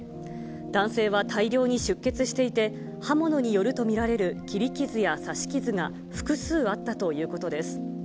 男性は大量に出血していて、刃物によると見られる切り傷や刺し傷が複数あったということです。